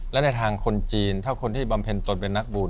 และในทางคนจีนถ้าคนที่บำเพ็ญตนเป็นนักบุญ